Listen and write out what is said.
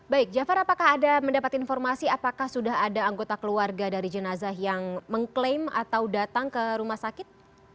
baik jafar apakah ada mendapat informasi apakah sudah ada anggota keluarga dari jenazah yang mengklaim atau datang ke rumah sakit